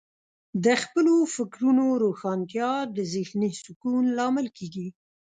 د خپلو فکرونو روښانتیا د ذهنې سکون لامل کیږي.